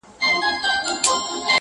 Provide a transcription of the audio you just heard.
آسمانه ما خو داسي نه ویله.!